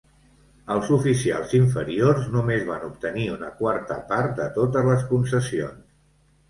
Els oficials inferiors només van obtenir una quarta part de totes les concessions.